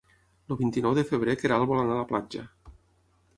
El vint-i-nou de febrer na Queralt vol anar a la platja.